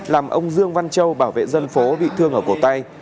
làm ông dương văn châu bảo vệ dân phố bị thương ở cổ tay